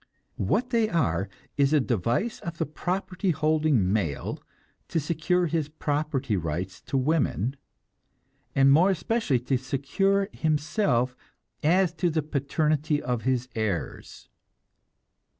What they are is a device of the property holding male to secure his property rights to women, and more especially to secure himself as to the paternity of his heirs.